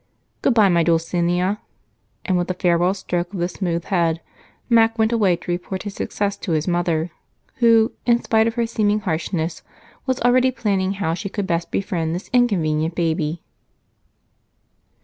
Good bye, my Dulcinea." And, with a farewell stroke of the smooth head, Mac went away to report his success to his mother, who, in spite of her seeming harshness, was already planning how she could best befriend this inconvenient baby.